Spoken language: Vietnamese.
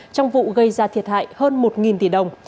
trong vụ gây ra thiệt hại hơn một tỷ đồng